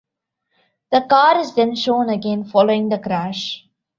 The car is then shown again following the crash.